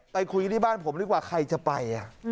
ไปคุยที่บ้านผมดีกว่าใครจะไป